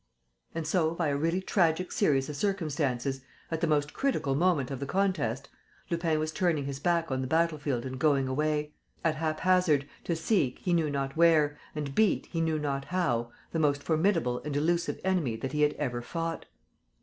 And so, by a really tragic series of circumstances, at the most critical moment of the contest, Lupin was turning his back on the battlefield and going away, at haphazard, to seek, he knew not where, and beat, he knew not how, the most formidable and elusive enemy that he had ever fought.